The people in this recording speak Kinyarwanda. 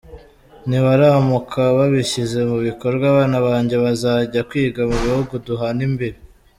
Nibaramuka babishyize mu bikorwa abana banjye bazajya kwiga mu bihugu duhana imbibi.